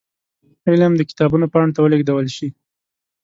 علم د کتابونو پاڼو ته ولېږدول شي.